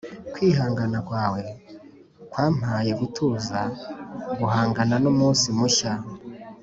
kwihangana kwawe kwampaye gutuza guhangana n'umunsi mushya.